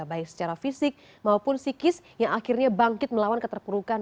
baik secara fisik maupun psikis yang akhirnya bangkit melawan keterpurukan